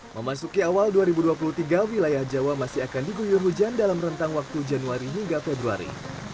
memasuki awal dua ribu dua puluh tiga wilayah jawa masih akan diguyur hujan dalam rentang waktu januari hingga februari